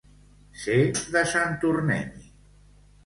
Ser de Sant Tornem-hi.